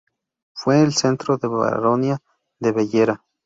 Fue el centro de la baronía de Bellera.